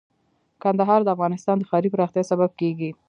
کندهار د افغانستان د ښاري پراختیا سبب کېږي.